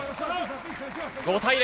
５対０。